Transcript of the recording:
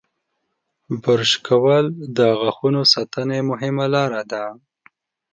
• برش کول د غاښونو ساتنې مهمه لاره ده.